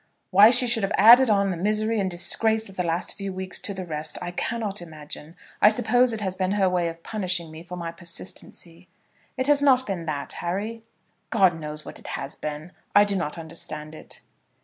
Why she should have added on the misery and disgrace of the last few weeks to the rest, I cannot imagine. I suppose it has been her way of punishing me for my persistency." "It has not been that, Harry." "God knows what it has been. I do not understand it."